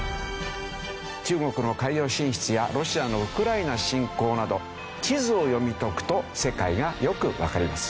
中国の海洋進出やロシアのウクライナ侵攻など地図を読み解くと世界がよくわかります。